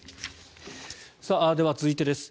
では、続いてです。